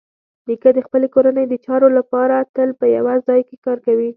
نیکه د خپلې کورنۍ د چارو لپاره تل په یوه ځای کار کوي.